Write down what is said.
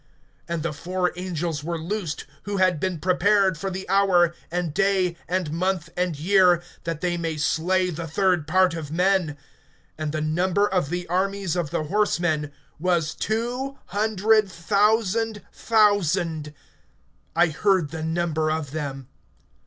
(15)And the four angels were loosed, who had been prepared for the hour, and day, and month, and year, that they may slay the third part of men. (16)And the number of the armies of the horsemen was two hundred thousand thousand. I heard the number of them.